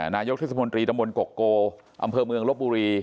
นายกเทศมนตรีตะมนตกโกอำเภอเมืองลบบุรี